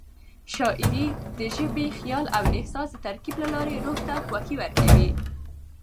شاعري د ژبې، خیال او احساس د ترکیب له لارې روح ته خوښي ورکوي.